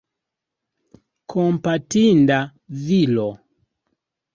Kompatinda viro.